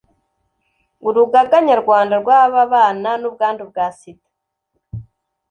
urugaga nyarwanda rw'ababana n'ubwandu bwa sida